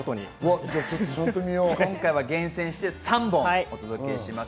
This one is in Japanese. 厳選して３本をお届けします。